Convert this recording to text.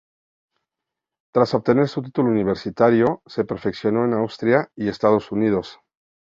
Tras obtener su título universitario se perfeccionó en Austria y Estados Unidos.